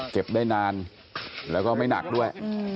เก็บได้นานแล้วก็ไม่หนักด้วย